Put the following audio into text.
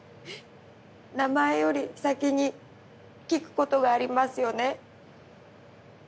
名前より先に聞くことがありますよね？